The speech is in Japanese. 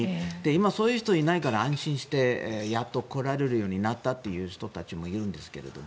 今、そういう人がいないから安心してやっと来られるようになった人たちもいるんですね。